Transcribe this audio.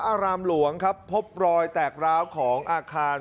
อารามหลวงครับพบรอยแตกร้าวของอาคาร